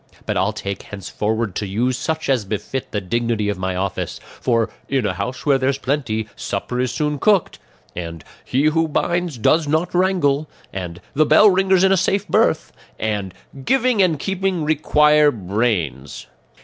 But I'll take care henceforward to use such as befit the dignity of my office; for 'in a house where there's plenty, supper is soon cooked,' and 'he who binds does not wrangle,' and 'the bell ringer's in a safe berth,' and 'giving and keeping require brains.